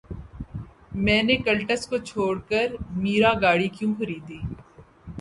میں نے کلٹس کو چھوڑ کر میرا گاڑی کیوں خریدی